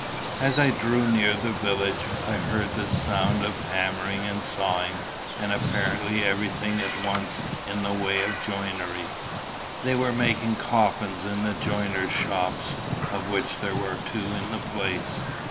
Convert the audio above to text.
As I drew near the village, I heard the sound of hammering and sawing, and apparently everything at once in the way of joinery; they were making the coffins in the joiners' shops, of which there were two in the place.